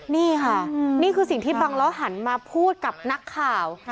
นี่ค่ะนี่คือสิ่งที่บังล้อหันมาพูดกับนักข่าว